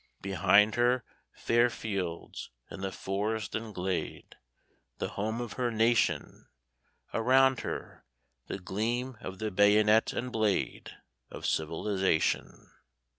Behind her, fair fields, and the forest and glade, The home of her nation; Around her, the gleam of the bayonet and blade Of civilization.